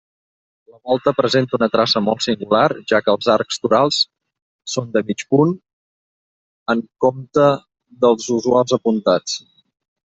La volta presenta una traça molt singular, ja que els arcs torals són de mig punt, en compte dels usuals apuntats.